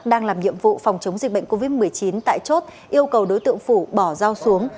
đang làm nhiệm vụ phòng chống dịch bệnh covid một mươi chín tại chốt yêu cầu đối tượng phủ bỏ dao xuống